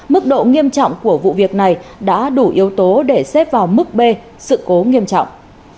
mức độ nghiêm trọng của vụ việc này đã đủ yếu tố để xếp vào mức b sự cố nghiêm trọng